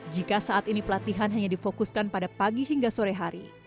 jika saat ini pelatihan hanya difokuskan pada pagi hingga sore hari